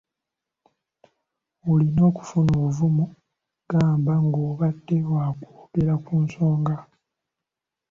Olina okufuna obuvumu gamba ng'obadde wa kwogera ku nsonga.